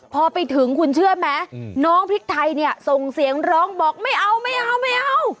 พอไปถึงคุณเชื่อไหมน้องพริกไทยเนี่ยส่งเสียงร้องบอกไม่เอาไม่เอาไม่เอา